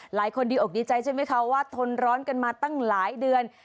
ดีอกดีใจใช่ไหมคะว่าทนร้อนกันมาตั้งหลายเดือน